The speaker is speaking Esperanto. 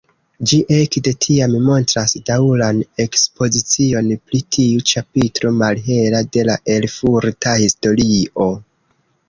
Ĝi ekde tiam montras daŭran ekspozicion pri tiu ĉapitro malhela de la erfurta historio.